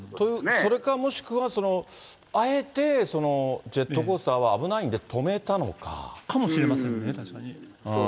それかもしくは、あえてジェットコースターは危ないんで、かもしれませんね、確かに。